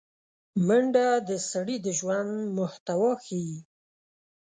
منډه د سړي د ژوند محتوا ښيي